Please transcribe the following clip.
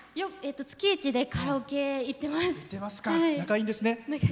月１でカラオケ行ってます。